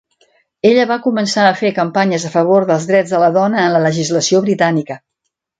Ella va començar a fer campanyes a favor dels drets de la dona en la legislació britànica.